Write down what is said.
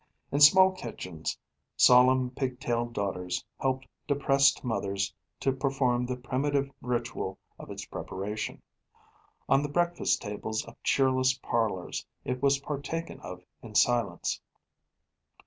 In small kitchens solemn pig tailed daughters helped depressed mothers to perform the primitive ritual of its preparation. On the breakfast tables of cheerless parlours it was partaken of in silence.